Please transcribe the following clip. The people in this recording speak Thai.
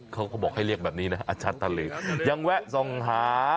เขาบอกให้เรียกแบบนี้นะอาจารย์เสร็จทำหรือยังแวะทรงหา